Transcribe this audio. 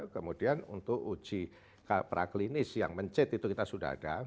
kemudian untuk uji praklinis yang mencet itu kita sudah ada